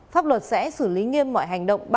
pháp luật sẽ xử lý nghiêm mọi hành động